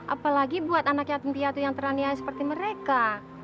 apalagi buat anak yatim piatu yang teraniaya seperti mereka